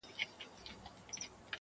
ته كه له ښاره ځې پرېږدې خپــل كــــــور.